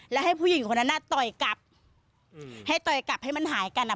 และให้ผู้หญิงคนนั้นน่ะต่อยกลับให้ต่อยกลับให้มันหายกันอ่ะ